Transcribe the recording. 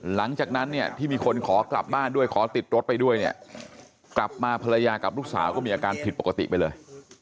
หลังจากนั้นเนี่ยที่มีคนขอกลับบ้านด้วยขอติดรถไปด้วยเนี่ยกลับมาภรรยากับลูกสาวก็มีอาการผิดปกติไปเลย